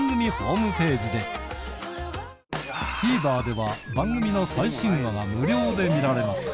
ＴＶｅｒでは番組の最新話が無料で見られます